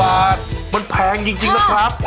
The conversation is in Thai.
บาทมันแพงจริงนะครับ